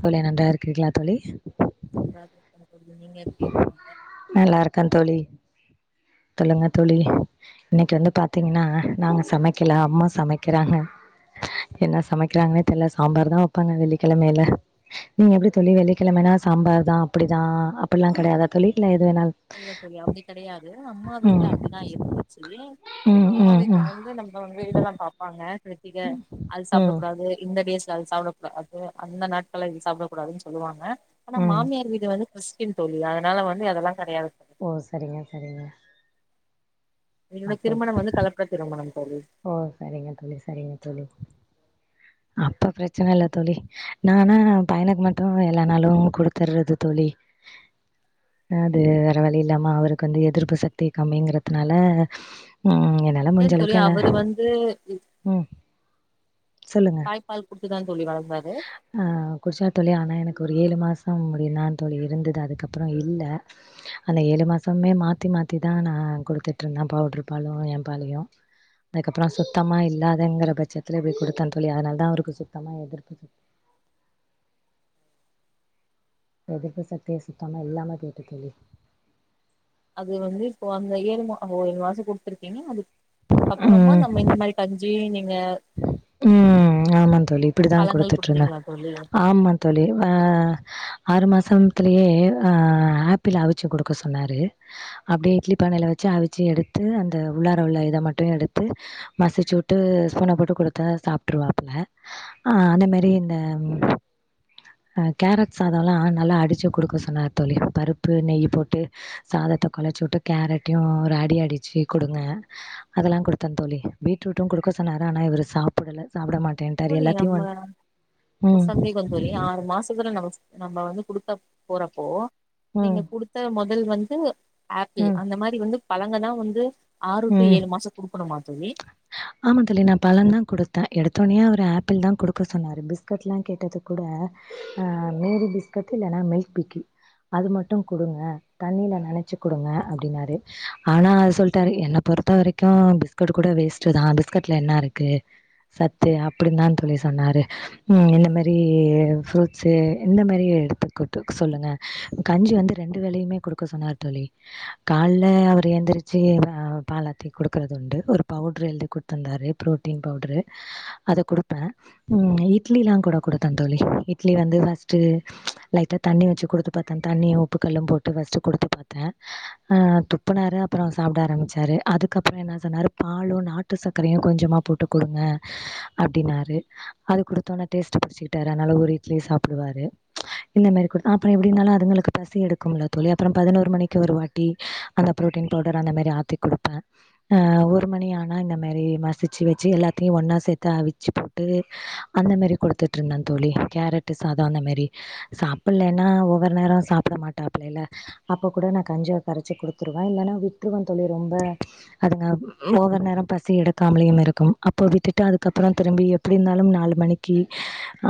தோழி நன்றா இருக்கீற்களா தோழி [inaudible] எப்டி இருக்கீங்க நல்லாருக்கன் தோழி சொல்லுங்கத் தோழி இன்னக்கி வந்து பாத்தீங்கின்னா நாங்க சமக்கில அம்மா சமக்கிறாங்க என்னா சமக்கிறாங்கன்னே தெர்ல சாம்பார் தான் வப்பாங்க வெள்ளிக்கெழமையில நீங்க எப்டி தோழி வெள்ளிக்கிழமனா சாம்பார் தான் அப்புடிதான் அப் பெல்லா கெடையாது தோழி இல்ல இல்ல தோழி அப்டி கெடையாது அம்மா வீட்ல ம் அப்டிதான் இருந்துச்சி ம் அம்மா ம் வீட்ல ம் வந்து நம்ம வந்து இதெல்லாம் பாப்பாங்க கிருத்திக அது சாப்டக் ம் கூடாது இந்த டேஸ் அது சாப்டக்க கூடாது அந்த நாட்களா இது சாப்டக் கூடாதுன்னு சொல்லுவாங்க ஆனா ம் மாமியார் வீடு வந்து ஸ்கின் தோழி அதனால வந்து அதெல்லா கெடயாது ஓ சரிங்க சரிங்க என்னுட அப்போ திருமணம் வந்து கலப்பு திருமணம் தோழி ஓ சரிங்க தோழி சரிங்க தோழி அப்ப ப்ரெச்சன இல்ல தோழி நானா பையனுக் மட்டு எல்லா நாளு குடுத்தர்றது தோழி அ அது வேற வழி இல்லாம அவருக்கு வந்து எதிர்ப்பு சக்தி கம்மிங்கறதுனால ம் என்னால ஏன் முடிஞ்சலவ்க் தோழி அவரு வந்து தாய்ப்பால் குடுத் துதா அ குடிச்சா தோழி ஆனா எனக்கு ஒரு ஏழு மாஸ் ம் [unintelligible] தோழி இருந்தது அதுக்கப்பறோ இல்ல அந்த ஏழு மாசமே மாத்தி மாத்தி தா நா குடுத்துட்ருந்தே பவுட்ரு பாலு எ பாலையு அதுக்கப்றோ சுத்தமா இல்லாதங்கிற பச்சத்துல இப்டி குடுத்த தோழி அதனால தா அவருக்கு சுத்தமா எதிர்ப் எதிர்ப்பு சத்தியே சுத்தமா இல்லாம போய்ட்டு தோழி அது வந்து இப்போ அந்த ஏழு அ [unintelligible] மாச குடுத்துருக்கீங்க அது அதுக்கப்பறமா நம்ம ம். இந்த மாரி கஞ் ஞி நீங்க ம் ஆமா தோழி இப்படிதான் பழங்கள் குடுத்துட்டு இருங்க குடுத்தீங்களா தோழி ஆமா தோழி ஆ ஆறு மாசம் இத்துலயே ஆப்பிள் அவிச்சு கொடுக்க சொன்னாரு அப்படியே இட்லி பானையில வச்சு அவிச்சு எடுத்து அந்த உள்ளார உள்ள இதை மட்டும் எடுத்து மசிச்சு விட்டு ஸ்பூனை போட்டு கொடு தா சாப்ட்டுருவாப்புல அந்த மாரி இந்த கேரட் சாதம்ல்லாம் நல்லா அடிச்சு கொடுக்க சொன்னார் தோழி பருப்பு நெய் போட்டு சாதத்தை கொலைச்சி விட்டு கேரட்டையும் ஒரு அடி அடிச்சு கொடுங்க அதெல்லாம் கொடுத்தேன் தோழி பீட்ரூட்டும் கொடுக்க சொன்னாரு ஆனா இவரு சாப் புடல சாப்ட மாட் தோழி நம்ம ஒரு சந்தேகம் தோழி ஆறு மாசத்துல நமம நம்ம வந்து குடுத்தா போறப்போ நீங்க ம். குடுத்த முத ல் வந்து ஆப்பிள் ம். அந்த மாரி வந்து பழங்கதான் வந்து ஆறு டு ம் ஏழு மாசோ குடுக்கணுமா தோழி ஆமா தோழி நான் பழ தான் கொடுத்தேன் எடுத்து தொனே ஒரு ஆப்பிள் தான் கொடுக்க சொன்னாரு பிஸ்கட்லாம் கேட்டது கூட ஆ மேரி பிஸ்கட் இல்லனா மில்க் பிக்கி அது மட்டும் கொடுங்க தண்ணியில நினச்சி கொடுங்க அப்படின்னாரு ஆனால் அது சொல்லிட்டாரு என்னை பொறுத்த வரைக்கும் பிஸ்கட் கூட வேஸ்ட் தான் பிஸ்கட்ல என்ன இருக்கு சத்து அப்படின்னு தான் தோழி சொன்னாரு இந்த மாரி ஃப்ரூட்ஸ்சு இந்த மாரி எடுத்துட்டு சொல்லுங்க கஞ்சி வந்து ரெண்டு வேலையுமே கொடுக்க சொன்னாரு தோழி காலல அவர் எந்திரிச்சு பாலாத்தி கொடுக்கறது உண்டு ஒரு பவுட்ரு எழுதி கொடுத்தத்துந்தாரு ப்ரோட்டீன் பவுட்ரு அதை கொடுப்பேன் இட்லிலாம் கூட கொடுத்தேன் தோழி இட்லி வந்து ஃபர்ஸ்ட்டு லைட்டாக தண்ணி வச்சு கொடுத்து பார்த்தேன் தண்ணி உப்புக்கல்லும் போட்டு ஃபர்ஸ்ட்டு கொடுத்து பார்த்தேன் துப்புனாார் அப்புறம் சாப்பிட ஆரம்பி நாட்டு சக்கரையு கொஞ்சமா போட்டு குடுங்க அப்டின்னாரு அது குடுத்தோனே டேஸ்ட்டு புடிச்சுக்கிட்டாரு அதனால ஒரு இட்லி சாப்டுவாரு இந்த மாரி குடுத் அப்புறோ எப்டி இருந்தாலு அதுங்களுக்கு பசி எடுக்கும்ல தோழி அப்புறோ பதினோரு மணிக்கு ஒரு வாட்டி கொடுப்பே ஆ ஒரு மணி ஆனா இந்த மாரி மசிச்சு வச்சு எல்லாத்தையும் ஒன்னா சேர்த்து அவச்சு போட்டு அந்த மாரி கொடுத்துட்டு இருந்தேன் தோழி கேரட்டு சாதம் அந்த மாரி சாப்டலன்னா ஒவ்வொரு நேரம் சாப்ட மாட்டாப்ல ல அப்ப கூட நான் கஞ்சா கரைச்சி கொடுத்துவேன் இல்லைனா விட்டுருவன் தோழி ரொம்ப அதுங்க ஒவ்வொரு நேரம் பசி எடுக்காமலும் இருக்கும் அப்போ விட்டுட்டு அதுக்கப்புறம் திரும்பி எப்படி இருந்தாலும் நாலு மணிக்கு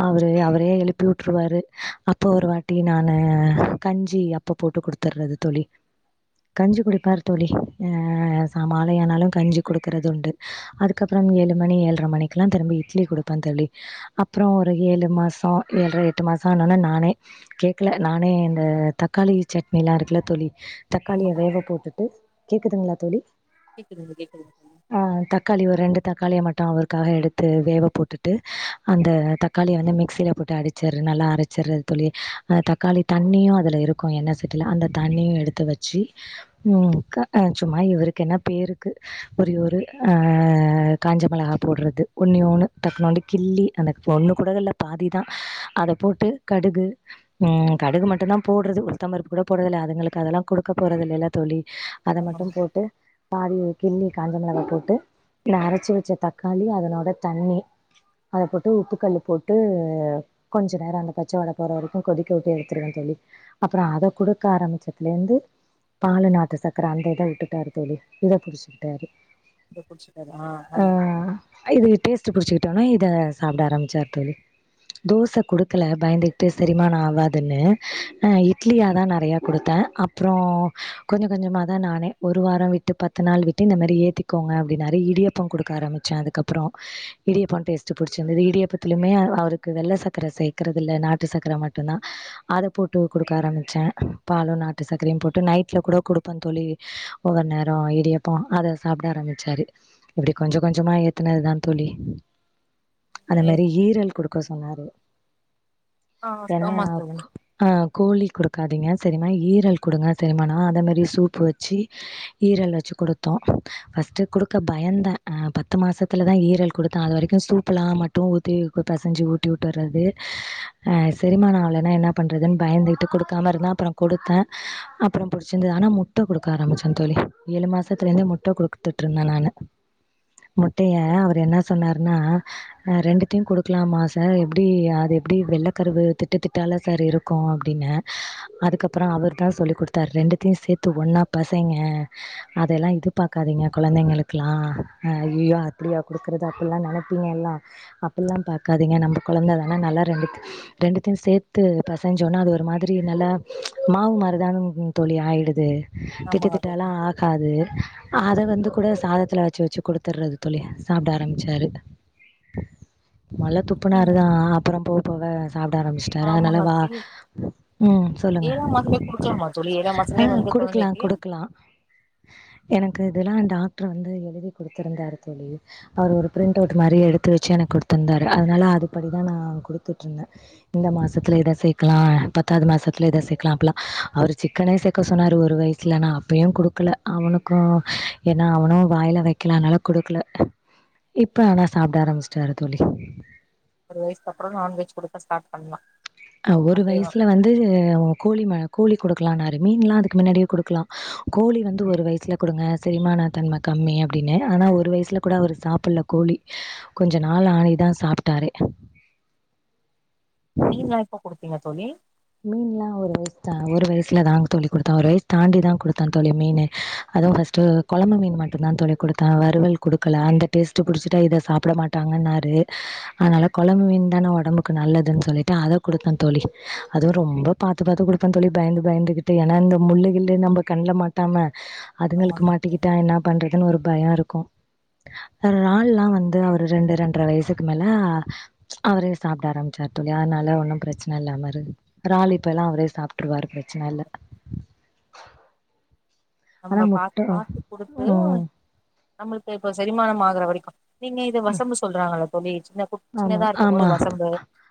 அவரு அவரே எழுப்பி விட்டுருவாரு அப்போ ஒரு வாட்டி நான கஞ்சி அப்ப போட்டு குடுத்துடுறது தோழி கஞ்சி குடிப்பாரு தோளிி ச மாலைையானாலும் கஞ்சி கொடுக்குறது உண்டு அதுக்கப்புறம் ஏழு மணி ஏழரை மணிக்கலாம் திரும்பி இட்லி கொடுப்பேன் தோழி அப்புறம் ஒரு ஏழு மாசம் ஏழரை எட்டு மாசம் ஆனோன்னா நானே கேட்கல நானே இந்த தக்காளி சட்னிலாம் இருக்கல தோழி தக்காளிய ஆமாங்க வேக தோழி போட்டுட்டு கேக்குதுங்களா தோழி கேக்குதுங்க கேக்குதுங்க தோழி ஆ தக்காளி ஒரு ரெண்டு தக்காளியா மட்டும் வட்டம் அவரூக்காக எடுத்து வேவை போட்டுட்டு அந்த தக்காளியை வந்து மிக்சியில் போட்டு அடிச்சடு நல்லா அரைச்சடுது தோழி அந்த தக்காளி தண்ணியும் அதில் இருக்கும் என்ண்ணெய் சட்டியில் அந்த தண்ணியும் எடுத்து வச்சு ம் சும்மா இவருக்கு என்ன பேருக்கு ஒரிய ஒரு ஆ காஞ்ச மிளகா போட்றது ஒண்ணே ஒண்ணு டக்குனுோண்டு கிலள்ளி அந்த ஒண்ணு கூட இல்லை பாதி தான் அதை போட்டு கடுகு ம் கடுகு மட்டும்ந்தான் போடுறது உளு்தம்பருப்பு கூட போடுறதில்லை அதுங்களுக்கு அதெல்லாம் கொடுக்க போகறத இல்லைல்ல தோழி அதை ஆமாங்க மட்டும் போட்டு பாதி கிள்ளி காஞ்ச மிளக போட்டு இந்த அரைச்சி வச்ச தக்காளி அதனோட தண்ணி அதை போட்டு உப்புக்கல்லு போட்டு கொஞ்ச நேரம் அந்த பச்சை வாடை போற வரைக்கும் கொதிக்க விட்டூ எடுத்துருவேு தோழி அப்புறம் அதை கொடுக்க ஆரம்பிச்சத்துல இருந்துபால நாட்டு ச கிராந்த இதான் விட்டுட்டாரு தோழி இதை புிடிச்சுக்கிட்டாரு இத குடிச்சிட்டாரு ஆ நல்லது ஆ இது டேஸ்ட் சாிட ஆச்சோசான் ந அ கொஞ்ச ந ஒரு வட்டு ப ஏடியம்டு ஆம்டியம் பச்சது இடியப்ப வெள்ள சரை சர்கட்டு சான் ப ச ந அப்ப தோழி ஒவ்வொரு நேரம் இடியப்ப அதை சாப்பிட ஆரம்பிச்சாரு இப்படி கொஞ்சம் கொஞ்சமா ஏத்துனதுதான் தோழி அந்த ஏ மாரி ஈரல் கொடுக்க சொன்னாரு ஆ ஏன்னா ஆமா தோழி ஆ கோழி கொடுக்க இருக்காதீங்க சரிமா ஈரல் கொடுங்க சரி நா அதே மாரி சூப்பு வச்சு ஈரல் வச்சு கொடுத்தோம் ஃபர்ஸ்ட்டு கொடுக்க பயந்தேன் பத்து மாசத்தில் தான் ஈரல் கொடுத்தேன் அது வரைக்கும் சூப்புெலாம் மட்டும் ஊத்தி பசைஞ்சு ஊட்டி விட்டுர்றது செரிமாநம் ஆவளன்னா என்ன பண்ணுறதுன்னு பயந்துக்கிட்டு கொடுக்காம இருந்தால் அப்புறம் கொடுத்தேன் அப்புறம் புடிச்சிருந்தது ஆனா மு முட்டை கொடுக்க ஆரம்பிச்சேன் ட்ட குடுக்க ஆரம்மிச்சன் தோழி ஏழு மாசத்துல இருந்து முட்டை கொடுத்துட்டு இருந்தேன் நான் முட்டய அவர் என்ன சொன்னார் ஆ ரெண்டுத்தையும் கொடுக்கலாமா சார் எப்டி அது எப்டி வெள்ள கருவு திட்டுத்திட்டால சார் இருக்கும் அப்டினேன் அதுக்கப்றம் அவர் தான் சொல்லி் கொடுத்தாரு ரெண்டுத்தையும் சேத்து ஒன்னா பெசைங்க அதெல்லாம் இது பாக்காதீங்க கொழந்தைங்களுக்கெல்லாம் அய்யய்யோ அப்டியா கொடுக்றது அப்ட்ல்லாம் நெனப்பீங்க எல்லாம் அப்ட்ல்லாம் பாக்காதீங்க நம்ம கொழந்த தானா நல்லா ரெண்டு ரெண்டுத்தையும் சேத்து பெசைஞ்சோனா அது ஒரு மாதிரி நல்லா மாவு மாரிதான தோழி ஆயிடுது து ஆமாங்க திட்டுத்திட்டெல்லா தோழி ஆகாது அத வந்து கூட சாதத்துல வச்சு வச்சு குடுத்தறற்து தோழி சாப்ட ஆரம்ரச்சாரு மொல்ல துப்புனாருதா ம் அப்பறோ போ போல சாப்ட ஆரம்ச்சிட்டாரு அதனால ஆமாங்க வா இல் உம் சொல்லுங்க ஏழாம் மாசமே குடுக்கலாமா தோழி ஏழாம் ஆ மாசமே வந்து குடுக்கலா கொழந்தைக்கு குடுக்கலா எனக்கு அதுலா டாக்டரு வந்து எழுதி குடுத்திருந்தாரு தோழி அவரு ஒரு ப்ரிண்ட்டவுட் மாரி எடுத்து வச்சு எனக்கு குடுத்திருந்தாரு அதனால அதுபடிதா நா குடுத்துட்டு இருந்தே இந்த மாசத்துல இத சேக்கலா பத்தாவது மாசத்துல இத சேக்கலா அப்ட்ல்லா அவரு சிக்கனே சேக்க சொ சொன்னாரு ஒரு வயசுல நா அப்பயு குடுக்கல அவனுக்கு ஏன்னா அவனு வாயில வக்கலனால குடுக்கல இப்ப ஆனா சாப்ட ஆரம்ச்சட்டாரு தோழி ஒரு வயசுக்கு அப்றோ நான்வெஜ் குடுக்க ஸ்டார்ட் பண்ணலா ஆ ஒரு வயசுல வந்து கோழி ம கோழி குடுக்கலாம்னாரு மீன் எல்லா அதுக்கு முன்னடியே குடுக்கலா கோழி வந்து ஒரு வயசுல குடுங்க செரிமான தன்மை கம்மி அப்டின்னு ஆனா ஒரு வயசுல கூட அவ்ரு சாப்ட்ல கோழி கொஞ்ச நாள் ஆயிதா சாப்ட்டாரு மீன்லா எப்ப குடுத்தீங்க தோழி மீன்ல்லா ஒரு வயசு தா ஒரு வயசுலதா தோழி குடுத்தே ஒரு வயசு தாண்டிதா குடுத்தே தோழி மீனு அதுவும் ஃபர்ஸ்ட் கொழம்பு மீனு மட்டும் தா தோழி குடுத்தே வறுவல் குடுக்கல அந்த டேஸ்ட் புடிச்ட்டா இத சாப்ட மாட்டாங்கன்னாரு அதனால கொழம்பு மீனு தான ஒடம்புக்கு நல்லதுன்னு சொல்லிட்டு அத குடுத்தே தோழி அதுவும் ரொம்ப பாத்து பாத்து குடுப்ப தோழி பயந்து பயந்துகிட்டு ஏன்னா இந்த முல்லுகில்லு நம்ம கண்ல மாட்டாம அதுங்களுக்கு ஆமாங்க மாட்டிக்கிட்டா என்ன பண்றதுன்னு ஒரு பயம் இருக் கு ரால்லா வந்து அவுரு ரெண்டு ரெண்டரை வயசுக்கு மேல அவரே சாப்ட ஆரம்பிச்சாரு தோழி அதனால ஒன்னு ப்ரச்சன இல்லாம ராலுப்ப எல்லா அவ்ரே சாப்ட்டுருவாரு ப்ரச்சன இல்ல ஆனா நம்ம பாத்து முட்டை பாத்து குடுத்து ம். நம்மளுக்கு இப்ப செரிமானம் ஆகுற வரைக்கி நீங்க இது வசம்பு சொல்றாங்கள [unintelligible] ஆமா ஆமா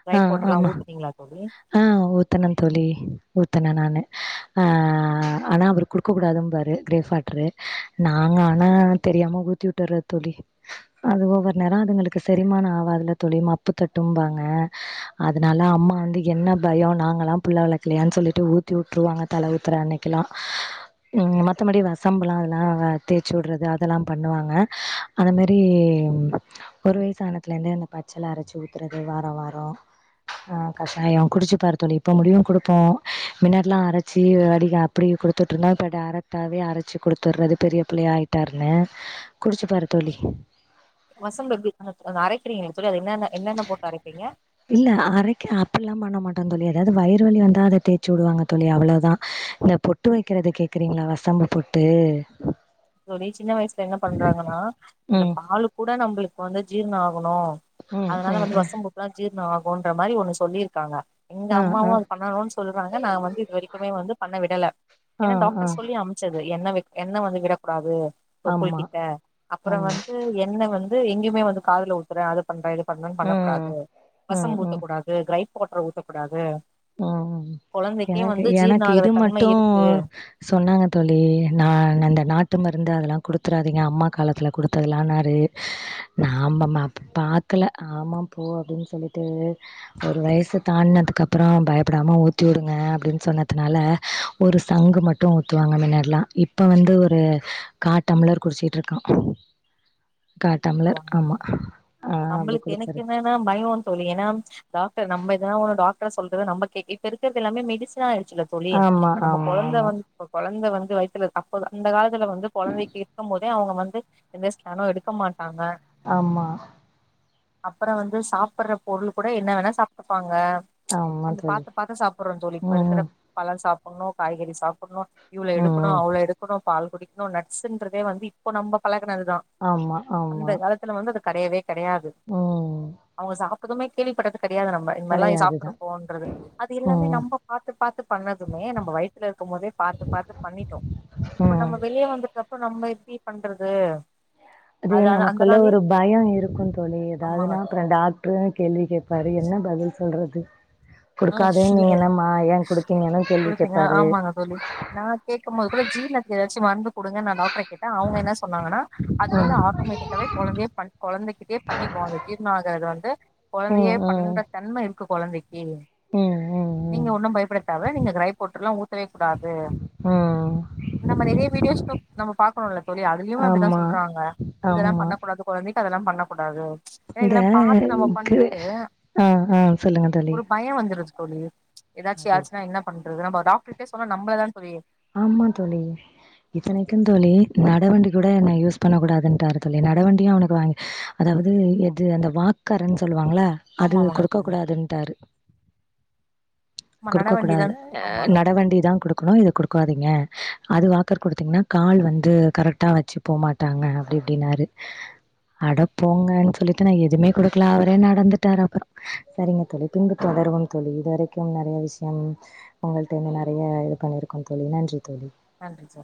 ட்ரை ஆஹ் போட்டெல்லா ஆமா ஊத்துனீங்களா தோழி ஆஹ் ஊத்துனேன் தோழி ஊத்துனேன் நானு ஆ ஆனா அவரு குடுக்க கூடாதும்பாரு க்ரேப் வாட்டரு நாங்க ஆனா தெரியாம ஊத்தி வுட்ரது தோழி அது ஒவ்வொரு நேரம் அதுங்களுக்கு செரிமானம் ஆகாது இல்ல தோழி. மப்புதட்டும்பாங்க அதுனால அம்மா வந்து என்ன பயம் நாங்கலாம் பிள்ள வளக்கலயானு சொல்லிட்டு ஊத்தி வுட்டுருவாங்க தல ஊத்துரன்னைக்கலாம் மத்தபடி வசம்பெல்லாம் அதெல்லாம் தேச்சு வுட்றது அதெல்லாம் பண்ணுவாங்க அந்த மாரிஒரு வயசானதுலருந்து பச்சல அரச்சு ஊத்துறது வாரவாரம் ஆஹ் கஷாயம் குடுச்சு பாருத்தோழி இப்பமுடியும் குடுப்போம் பின்னாடில்லாம் அரச்சு அடி அப்படி குடுத்துட்டு இருந்தோம் இப்ப டேரக்ட்டாவே அரச்சு குடுத்துடுறது பெரிய பிள்ளையா ஆயிட்டாருல குடுச்சு பாருத்தோழி வசம்பு எப்படி இருக்கும் அது அரக்கிறீங்கன்னே தோழி எப்படி என்னென்ன என்னென்ன போட்டு அரப்பீங்க எல்லாம் பண்ண மாட்டோம் தோழி ஏதாவது வயிறு வழி வந்தா அத தேச்சுவுடுவாங்க தோழி அவ்ளவுதான் இந்த பொட்டு வக்கிறது கேக்குறீங்களா வசம்பு பொட்டு தோழி சின்ன வயசுல என்ன பண்றாங்கன்னா இந்த ம் பாலு கூட நம்மளுக்கு அப்ப வந்து ஜீரணமாகும் ஆகணும் ம் அதனால ம் வந்து ம் வசம்புக்கெல்லாம் ஜீரணம் ஆகுன்ற மாரி ஒண்ணு சொல்லிருக்காங்க எங்க ஆ ஆ அம்மாவும் அது பண்ணணும்னு சொல்லுவாங்க நா வந்து இது வரைக்குமே வந்து பண்ண விடல ஆ ஏன்னா ஆ டாக்டர் சொல்லி அம்ச்சது என்ன என்ன வந்து விடம் அப்பவே தொப்புள் ஆமா கிட்ட அப்புற ஆமா வந்து எண்ணெ வந் எங்குமே வந்து காதுல ஊத்துறே அத பண்ற இதுக் வந்து [unintelligible] ம் பண்ணக்கூடாது ம் வசபூத்தக்கூடாது கிரைப் [unintelligible] ஊத்தப்பிடாது உஹம் எனக்கு ஜீர்ண எனக்கு ஆகுற இது தன்மை மட்டு இருக்கு சொன்னாங்க தோழி நா அந்த நாட் ட்டு மருந்து அதெல்லா குடுத்துராதீங்க அம்மா காலத்துல குடுத்ததால்லானாரு ந ம ம அப் பாக்கல ஆமா போ அப்டின்னு சொல்லிட்டு ஒரு வயசு தாண்டினதுக்கு அப்புற அப்றோ பயப்டாம ஊத்தி வுடுங்க அப்டினு சொன்னதுனால ஒரு சங்கு மட்டு ஊத்துவாங்க மின்னடிலா இப்ப வந்து ஒரு காட்டம்லர் குடிச் சீட்டு இருக்கா கா டம்ளர் ஆமா ஆ அப்டி நம்மளுக்கு எனக்கு குடுத்தாரு என்னன்னா பயம்னு தோழி ஏன்னா டாக்டர் நம்ம எதா ஒரு டாக் சொல்றது நமக் கே இப்ப இருக்கிறது எல்லாமே மெடிசனா இரு [unintelligible] தோழி ஆமா நம்ம ஆமா கொழந்தை ஆமா வந் கொழந்தை வந் வைத்துள்ளது அப்போது அந்த காலத் இதுல வந்து கொழந்தைக்கு இருக்கும்போதே அவங் வந்த து எந்த ஸ்கேனு எடுக்க மாட் ஆமா அப்புற வந்து சாப்பிடுற பொருள் கூட என்ன வேணா சாப்டுப்பாங்க ஆமா நம்ம தோழி பாத்து பாத்து சாப்புட்ரோ தோழி இப்ப ம் இருக்கிற ம். பழம் சாப் உன்னு காய்கறி சாப்பிட்ணு இவ்ளோ ம் எடுக்கணு ம் அவ்ளோ எடுக்கணு பால் குடிக்னோ நட்ஸ்ன்றதே வந்து இப்போ நம்ம பல ஆமா அந்த ஆமா காலத்துல வந்த அது கடையவே கிடையாது ம் அவங்க சாப் அதுமே கேள்வி படறது கெடயாது நம்ம இந் மாரி எல்லா கெடையாதுதா சாப்பிடறப்போங்கறது அது இல்லாம ம் நம்ம பாத்து பாத்து பண்ணதுமே நம்ம வயித்துல இருக்கும் போதே பாத்து பாத்து பண்ணிட்டோ ம் நம்ம வெளியில வந்ததுக்கப்புற நம்ம. நீ பண்றது அது அந்த நமக்குள்ள நாளே ஒரு பயோ இருக்கு தோழி ஆமாங்க ஏதாவதுன்னா அப்புறோ டாக்டரு கேள்வி கேப்பாரு என்ன பதில் சொ ல்றது ஆஹ் [unintelligible] குடுத்தீங்கன்னு கேள்வி குடுத்தீங்க கேப்பாரு ஆமாங்க தோழி நா கேக்கும்போது கூட ஜீரணத்துக்கு ஏதாச்சு மருந் குடுங்க நா டாக்டரே கேட்ட அவங்க என்ன சொன்னாங்கன்னா அது வந்து ம் ஆட்டோமேட்டிக்காவே கொழந்தயே பண் கொழந்தைகிட்டேயே பண்ணிக்கு அது ஜீர்ணோ ஆகிறது வந்து கொழந்தையே ம் ம் பண்ற தன்ம இருக் கு கொழந்தைக்கு ம் ம் நீங்க ம் ஒண்ணு பயப்படுத்தாத நீங்க கிரைப் வாட்டர்லா ஊத்தவே கூடாது ம் நம்ம நெறைய வீடியோஸ் நம்ம பாக்கரோலே தோழி அதுலயமே அப்டிதா ஆமா சொல்றாங்க இதெல்லா ஆமா பண்ணக்கூடாது குழந்தைக்கு அதெல்லா பண்ணக்கூடாது ஏன்னா இந்த இதெல்லா பாத்து நம்ம க்கு பண்ணிட்டு ஆ ஆ சொல்லுங்க தோழி ஒரு [unintelligible] தோழி எதாச்சு அது ஆச்சுன்னா என்ன பண்ணு அத நம்ம டாக்டர்ட்டே சொன்ன நம்மள தா தோழி ஆமா தோழி இத்தனைக்கு தோழி நடவண்டி கூட என்ன யூஸ் பண்ண கூடாதுன்ட்டாரு தோழி நடவண்டியு அவனுக்கு வாங்கி அதாவது எது அந்த வாக்காருனு சொல் சொல்லுவாங்களா அது ஆமாமாங்க கொடுக்க தோழி கூடாதுட்டாரு ஆமா நட கொடுக்க கூடாது வண்டிதான் ஆமாங்க தோழி நடவண்டி தா கொடுக்கணு இதை கொடுக் ஏ அது வாக்கர் குடுத்தீங்கன்னா கால் வந்து கரெட்டா வெச்சு போமாட்டாங்க அப்டி இப்டின்னாரு அடப்போங்கன்னு சொல்லிட்டு நா எதுவுமே கொடுக்கல அவரே நடந்துட்டரு அப்றோ சரிங்க தோழி பின்பு தொடருவோ தோழி இது வரைக்கு நெறய விஷியோ உங்களிட்ட இருந்து நெறய இது பண்ணிருக் கை தோழி நன்றி தோழி நன்றி தோழி